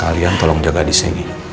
kalian tolong jaga adis ini